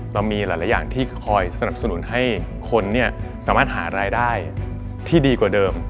เรามีหลายอย่างที่คอยสนับสนุนให้คนสามารถหารายได้ที่ดีกว่าเดิม